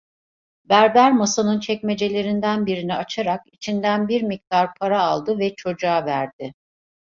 Berber masanın çekmecelerinden birini açarak içinden bir miktar para aldı ve çocuğa verdi.